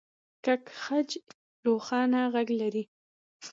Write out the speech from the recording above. کلک خج روښانه غږ لري.